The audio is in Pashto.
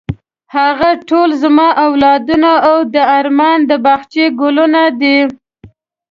هغه ټول زما اولادونه او د ارمان د باغچې ګلونه دي.